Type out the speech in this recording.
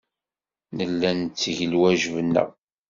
Nella netteg lwajeb-nneɣ.